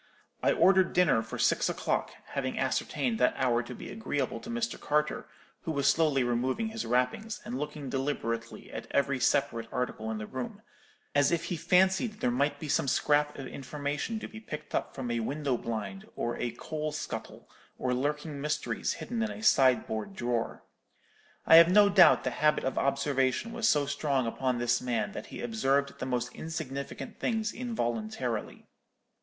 I ordered dinner for six o'clock, having ascertained that hour to be agreeable to Mr. Carter, who was slowly removing his wrappings, and looking deliberately at every separate article in the room; as if he fancied there might be some scrap of information to be picked up from a window blind, or a coal scuttle, or lurking mysteries hidden in a sideboard drawer. I have no doubt the habit of observation was so strong upon this man that he observed the most insignificant things involuntarily.